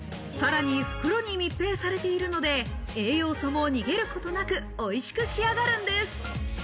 さらに袋に密閉されているので、栄養素も逃げることなく、おいしく仕上がるんです。